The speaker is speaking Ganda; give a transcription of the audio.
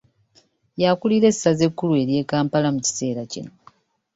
Yakulira essaza ekkulu ery'e Kampala mu kiseera kino.